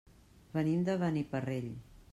Venim de Beniparrell.